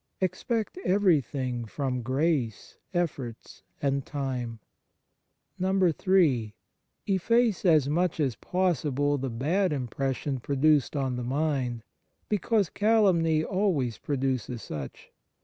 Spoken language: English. Expect everything from grace, efforts, and time. 3. Efface as much as possible the bad impression produced on the mind, because calumny always produces such.